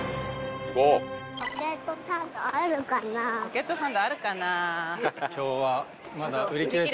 ポケットサンドあるかなぁ。